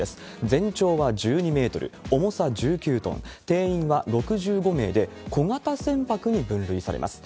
全長は１２メートル、重さ１９トン、定員は６５名で、小型船舶に分類されます。